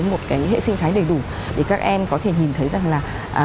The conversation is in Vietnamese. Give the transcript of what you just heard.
một cái hệ sinh thái đầy đủ để các em có thể nhìn thấy rằng là